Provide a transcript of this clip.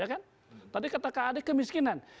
ya nggak tadi kata kang ade kemiskinan